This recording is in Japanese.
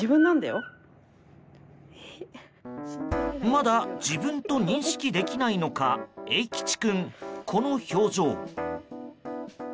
まだ自分と認識できないのかエイキチ君、この表情。